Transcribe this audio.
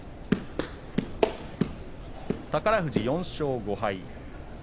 宝富士４勝５敗。